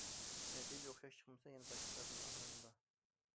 نەتىجە ئوخشاش چىقمىسا، يەنە باشقىلاردىن ئاغرىنىدۇ.